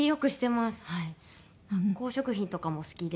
発酵食品とかも好きで。